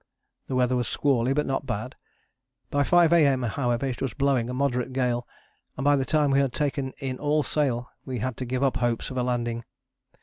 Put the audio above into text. The weather was squally, but not bad. By 5 A.M., however, it was blowing a moderate gale, and by the time we had taken in all sail we had to give up hopes of a landing.